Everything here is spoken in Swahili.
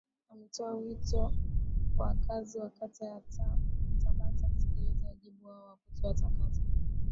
ametoa wito kwa wakazi wa kata ya tabata kutekeleza wajibu wao wa kutoa takataka